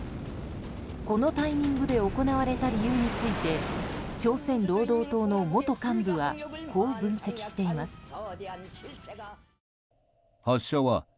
このタイミングで行われた理由について朝鮮労働党の元幹部はこう分析しています。